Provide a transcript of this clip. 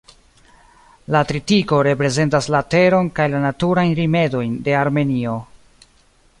La tritiko reprezentas la teron kaj la naturajn rimedojn de Armenio.